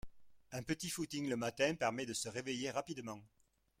Un petit footing le matin permet de se réveiller rapidement